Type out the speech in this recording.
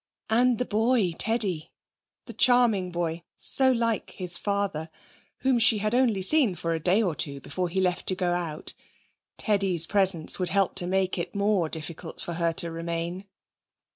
And the boy, Teddy the charming boy so like his father, whom she had only seen for a day or two before he left to go out. Teddy's presence would help to make it more difficult for her to remain.